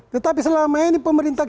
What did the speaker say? tetapi selama ini pemerintah